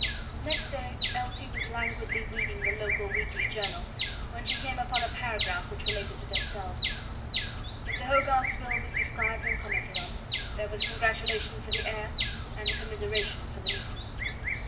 Next day Elsie was languidly reading the local weekly journal, when she came upon a paragraph which related to themselves. Mr. Hogarth's will was described and commented on. There was congratulation for the heir and commiseration for the nieces.